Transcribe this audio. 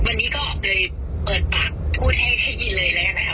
วันนี้ก็เลยปล้อยที่ปั๊กพูดให้ได้ได้เลยนะคะ